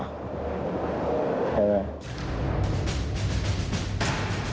ใช่ไหม